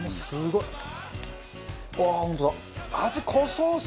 すごい。